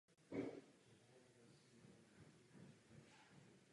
Specializoval se na trestní právo.